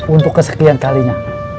untuk kesekian kalinya